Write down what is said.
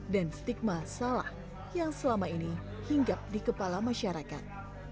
dan stigma salah yang selama ini hinggap di kepala masyarakat